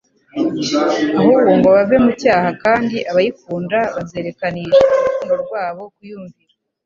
ahubwo ngo bave mu cyaha; kandi abayikunda bazerekanisha urukundo rwabo kuyumvira.